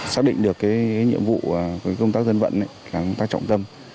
xác định được cái nhiệm vụ công tác dân vận là công tác trọng tâm